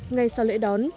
ngay sau lễ đón